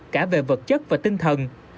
cả về vật chất và tinh thần